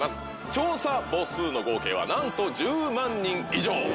調査母数の合計はなんと１０万人以上。